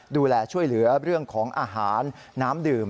ดูแลช่วยเหลือเรื่องของอาหารน้ำดื่ม